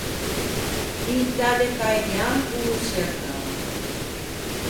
Un tâ de Caignan o ô çercava.